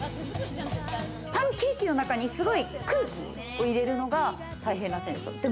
パンケーキの中にすごい空気を入れるのが大変らしいんですよ。